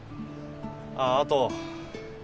あっあと。